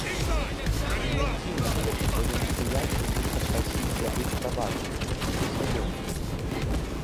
Неяк дзіўна было б у свайго непрыяцеля нешта прасіць забыць-прабачыць, гэта непаслядоўна!